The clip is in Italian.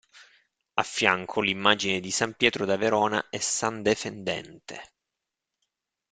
A fianco l'immagine di san Pietro da Verona e san Defendente.